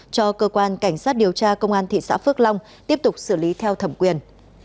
cho cơ quan cảnh sát điều tra công an thị xã phước long tiếp tục xử lý theo thẩm quyền